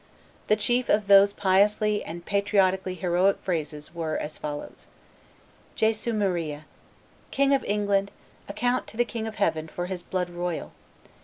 The chief of those piously and patriotically heroic phrases were as follows: "Jesu Maria, "King of England, account to the King of Heaven for His blood royal.